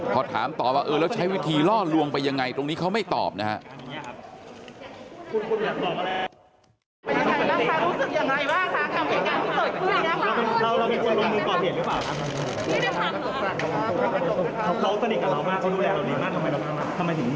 พอถามตอบว่าเออแล้วใช้วิธีล่อลวงไปยังไงตรงนี้เขาไม่ตอบนะครับ